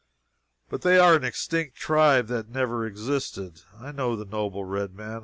But they are an extinct tribe that never existed. I know the Noble Red Man.